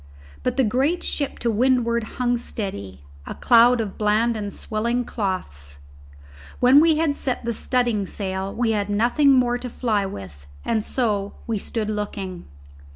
But the great ship to windward hung steady; a cloud of bland and swelling cloths. When we had set the studding sail we had nothing more to fly with; and so we stood looking.